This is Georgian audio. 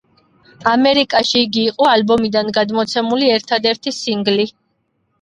ამერიკაში იგი იყო ალბომიდან გამოცემული ერთადერთი სინგლი.